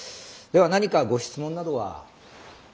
では何かご質問などは。